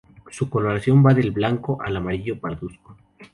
Su coloración va del blanco al amarillo pardusco.